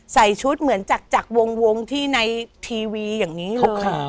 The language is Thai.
ใส่ชุดเหมือนจากวงที่ในทีวีอย่างนี้เลย